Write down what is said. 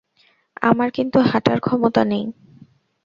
আমার কিন্তু হাঁটার ক্ষমতা নেই।